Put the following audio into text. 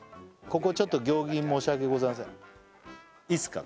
ここちょっと行儀申し訳ございませんいいっすか？